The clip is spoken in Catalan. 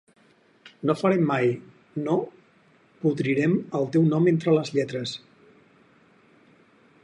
No farem mai, no podrirem el teu nom entre les lletres.